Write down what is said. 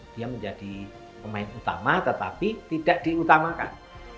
dia menjadi pemain utama tetapi tidak diutamakan